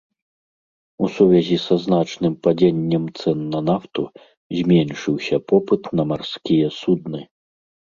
У сувязі са значным падзеннем цэн на нафту зменшыўся попыт на марскія судны.